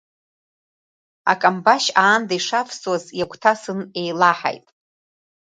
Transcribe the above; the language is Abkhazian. Акамбашь аанда ишавсуаз, иагәҭасын, еилаҳаит.